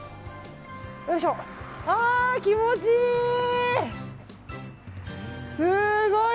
あー、気持ちいい！